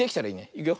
いくよ。